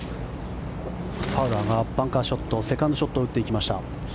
ファウラーがバンカーショットセカンドショットを打っていきました。